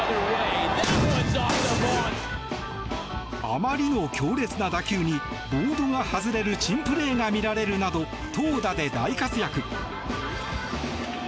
あまりの強烈な打球にボードが外れる珍プレーが見られるなど投打で大活躍。